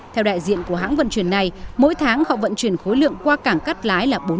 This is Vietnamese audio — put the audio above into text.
theo đại diện của hãng vận chuyển này mỗi tháng họ vận chuyển khối lượng qua cảng cắt lái là bốn